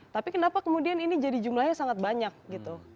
tapi kenapa kemudian ini jadi jumlahnya sangat banyak gitu